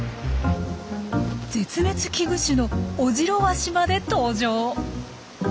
絶滅危惧種のオジロワシまで登場！